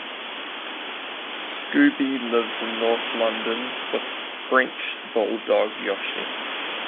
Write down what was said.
Scobie lives in North London with French bulldog Yoshi.